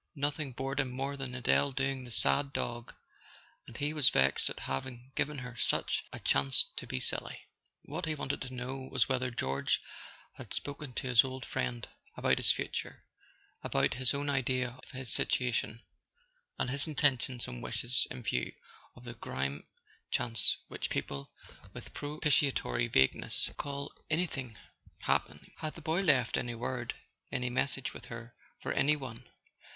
Nothing bored him more than Adele doing the "sad dog," and he was vexed at having given her such a chance to be silly. What he wanted to know was whether George had spoken to his old friend about his future—about his own idea of his situation, and his intentions and wishes in view of the grim chance which people, with propitiatory vagueness, call "any¬ thing happening." Had the boy left any word, any message with her for any one?